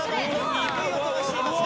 鈍い音がしています」